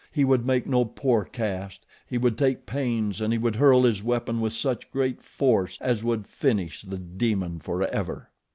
He would make no poor cast; he would take pains, and he would hurl his weapon with such great force as would finish the demon forever.